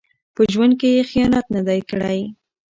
په ژوند کې یې خیانت نه دی کړی.